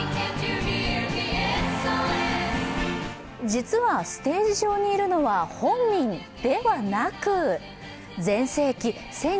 実はステージ上にいるのは本人ではなく全盛期